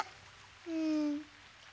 うん。